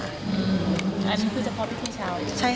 อันนี้คือเฉพาะที่ที่เช้าใช่ไหม